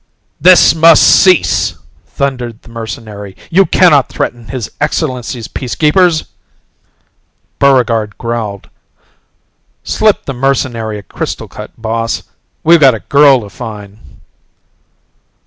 "This must cease!" thundered the mercenary. "You cannot threaten His Excellency's Peacekeepers!" Buregarde growled, "Slip the mercenary a crystal cut, boss. We've got a girl to find!"